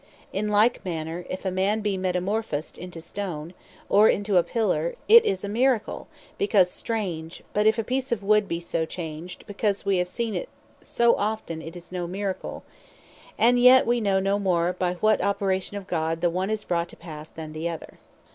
In like manner, if a man be metamorphosed into a stone, or into a pillar, it is a Miracle; because strange: but if a peece of wood be so changed; because we see it often, it is no Miracle: and yet we know no more, by what operation of God, the one is brought to passe, than the other.